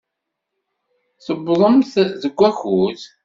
Tuwḍemt deg wakud.